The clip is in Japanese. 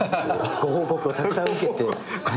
ご報告をたくさん受けて。